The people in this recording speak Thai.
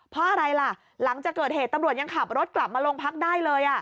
เพราะอะไรล่ะหลังจากเกิดเหตุตำรวจยังขับรถกลับมาโรงพักได้เลย